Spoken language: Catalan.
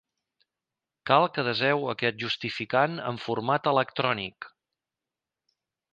Cal que deseu aquest justificant en format electrònic.